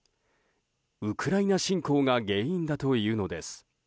ウクライナ侵攻が原因だというのです。